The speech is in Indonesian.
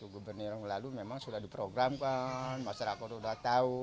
gubernur yang lalu memang sudah diprogramkan masyarakat sudah tahu